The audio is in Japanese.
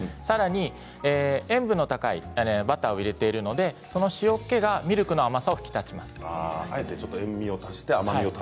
さらに塩分の高いバターを入れているので、その塩けでミルクの甘さが引き立ちます。